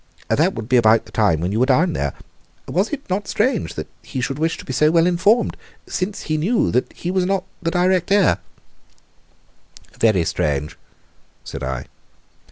That would be about the time when you were down there. Was it not strange that he should wish to be so well informed, since he knew that he was not the direct heir?" "Very strange," said I.